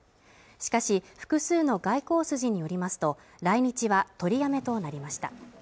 しかし複数の外交筋によりますと来日は取りやめとなりました